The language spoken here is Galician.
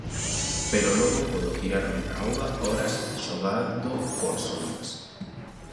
Pero logo podo tirarme na auga horas xogando coas ondas.